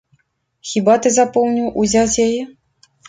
Хіба ты запомніў узяць яе?